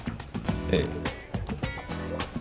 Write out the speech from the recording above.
ええ。